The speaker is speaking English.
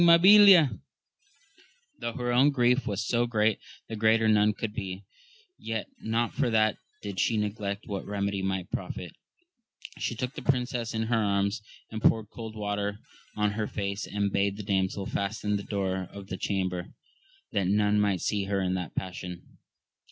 Mabilia, though her own grief was so great that greater none could be, yet not for that did she neglect what remedy might profit ; she took the princess in her arms, and poured* cold water on her face, and bade the damsel fasten the door of the chamber, that none might see her in that passion.